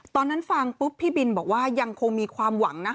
ตอนนั้นฟังปุ๊บพี่บินบอกว่ายังคงมีความหวังนะ